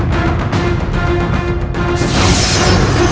kamu lagi tak triple